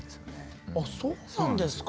そうなんですか。